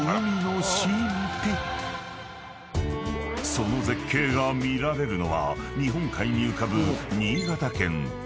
［その絶景が見られるのは日本海に浮かぶ］